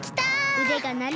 うでがなる！